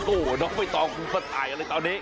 โอ้โหน้องใบตองคุณก็ถ่ายอะไรตอนนี้